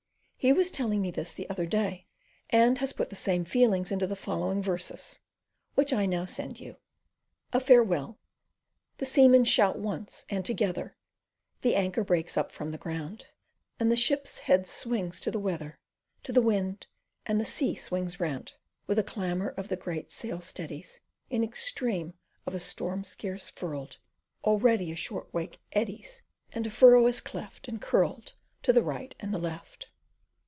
He was telling me this the other day, and has put the same feelings into the following verses, which I now send you. A farewell. The seamen shout once and together, The anchor breaks up from the ground, And the ship's head swings to the weather, To the wind and the sea swings round; With a clamour the great sail steadies, In extreme of a storm scarce furled; Already a short wake eddies, And a furrow is cleft and curled To the right and left.